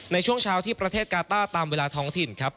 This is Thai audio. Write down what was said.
ในช่วงเช้าที่ประเทศกาต้าตามเวลาท้องถิ่นครับ